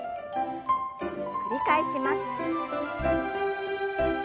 繰り返します。